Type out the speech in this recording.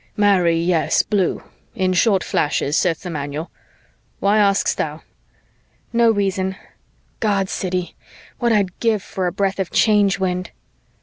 Marry yes, blue. In short flashes, saith the manual. Why ask'st thou?" "No reason. God, Siddy, what I'd give for a breath of Change Wind."